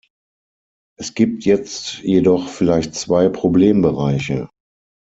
Es gibt jetzt jedoch vielleicht zwei Problembereiche.